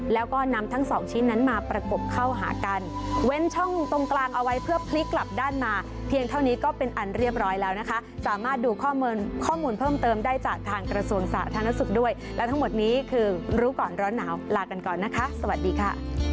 แล้วก็นำทั้งสองชิ้นนั้นมาประกบเข้าหากันเว้นช่องตรงกลางเอาไว้เพื่อพลิกกลับด้านมาเพียงเท่านี้ก็เป็นอันเรียบร้อยแล้วนะคะสามารถดูข้อมูลข้อมูลเพิ่มเติมได้จากทางกระทรวงสาธารณสุขด้วยและทั้งหมดนี้คือรู้ก่อนร้อนหนาวลากันก่อนนะคะสวัสดีค่ะ